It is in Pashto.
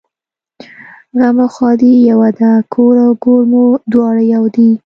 غم او ښادي یوه ده کور او ګور مو دواړه یو دي